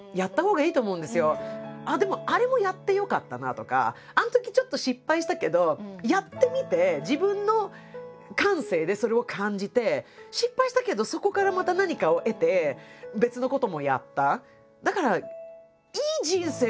あっでもあれもやってよかったなとかあのときちょっと失敗したけどやってみて自分の感性でそれを感じて失敗したけどそこからまた何かを得て別のこともやった。